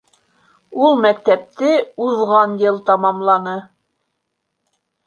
Ул мәктәпте уҙған йыл тамамланы